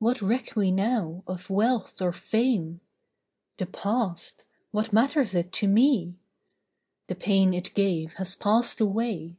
What reck we now of wealth or fame? The past what matters it to me? The pain it gave has passed away.